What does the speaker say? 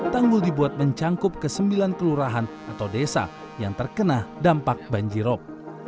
tanggul dibuat mencangkup ke sembilan kelurahan atau desa yang terkena dampak banjirop